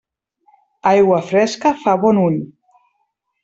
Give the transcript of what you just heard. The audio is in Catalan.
Aigua fresca fa bon ull.